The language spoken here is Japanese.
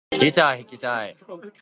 ギター弾きたい